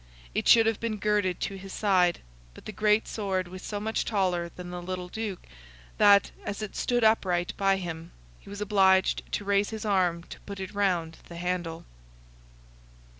It should have been girded to his side, but the great sword was so much taller than the little Duke, that, as it stood upright by him, he was obliged to raise his arm to put it round the handle.